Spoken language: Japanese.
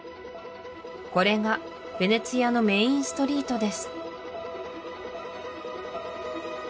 これがヴェネツィアのメインストリートです